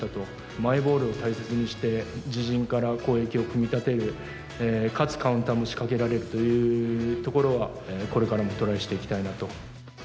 マイボールを大切にして、自陣から攻撃を組み立てる、かつカウンターも仕掛けられるというところは、これからもトライしていきたいなと。